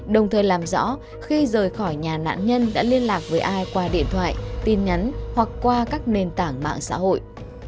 đồng thời làm rõ khi rời khỏi nhà nạn nhân đã liên lạc với ai qua điện thoại tin nhắn hoặc qua các nền tảng mạng xã hội